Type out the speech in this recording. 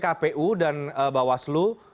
kpu dan bawaslu